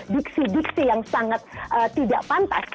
diksi diksi yang sangat tidak pantas